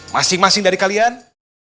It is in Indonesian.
masing masing dari kalian